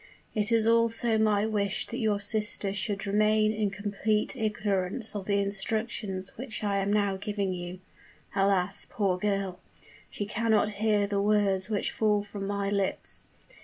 It is also my wish that your sister should remain in complete ignorance of the instructions which I am now giving you. Alas! poor girl she cannot hear the words which fall from my lips!